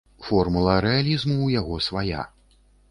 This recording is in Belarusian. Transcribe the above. Формула рэалізму ў яго свая.